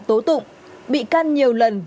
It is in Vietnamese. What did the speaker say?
tố tụng bị can nhiều lần